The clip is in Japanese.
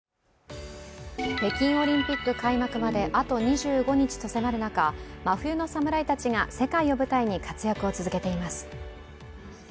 北京オリンピック開幕まであと２５日と迫る中、真冬のサムライたちが世界を舞台に活躍を続けています。